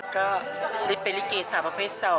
ก็รีบเป็นลิเกสาวประเภท๒